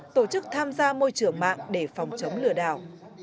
tổ chức tham gia môi trường mạng để phòng chống lừa đảo